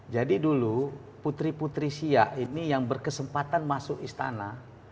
dulu putri putri siak ini yang berkesempatan masuk istana